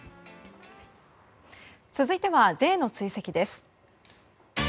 続いてはＪの追跡です。